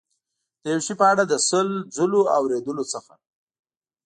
د یو شي په اړه د سل ځلو اورېدلو څخه.